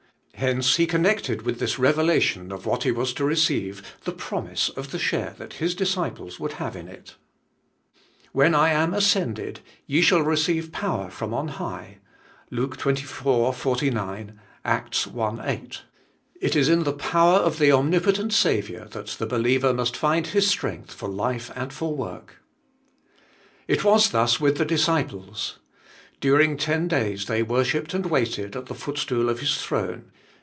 Hence He connected with this rev elation of what He was to receive, the promise of the share that His disciples would have in it: When I am ascended, ye shall receive power from on high {LuTce xxiv. Jf9; Acts i. 8), It is in the power of the omnipotent Saviour that the believer must find his strength for life and for work. It was thus with the disciples. During ten days they worshipped and waited at the footstool of His throne.